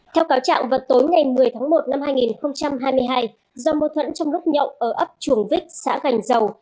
theo cáo trạng vào tối ngày một mươi tháng một năm hai nghìn hai mươi hai do mâu thuẫn trong lúc nhậu ở ấp chuồng vích xã gành dầu